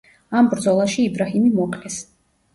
ამ ბრძოლაში იბრაჰიმი მოკლეს.